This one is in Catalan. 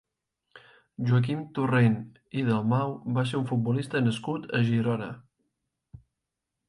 Joaquim Torrent i Dalmau va ser un futbolista nascut a Girona.